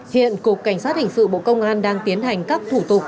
hiện cục cảnh sát hình sự bộ công an đang tiến hành các thủ tục